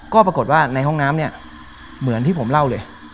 ก็ปรากฏว่าในห้องน้ำเนี่ยเหมือนที่ผมเล่าเลย